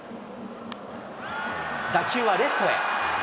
打球はレフトへ。